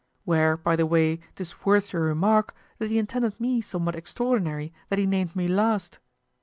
Where, by the way, 'tis worth your remark that he intended me somewhat extraordinary that he named me last.